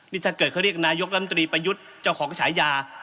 นี่ถ้าเกิดเขาเรียกนายกลำตรีประยุทธ์เจ้าของฉายา